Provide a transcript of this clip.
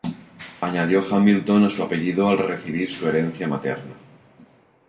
Añadió "Hamilton" a su apellido al recibir su herencia materna.